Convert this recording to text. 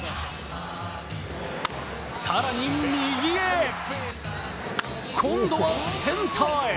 更に右へ、今度はセンターへ。